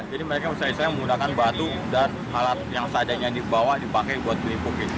jadi mereka usai usai menggunakan batu dan alat yang seadanya dibawa dipakai buat menipu